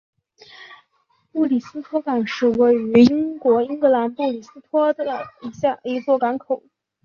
布里斯托港是位于英国英格兰布里斯托的一座港口。